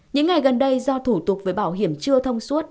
những ngày gần đây do thủ tục về bảo hiểm chưa thông suốt